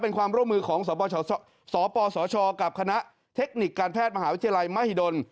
เป็นความร่วมมือของสปสชกับคณะเทคนิคการแพทย์มหาวิทยาลัยมหิดล